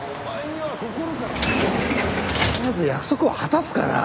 必ず約束を果たすから。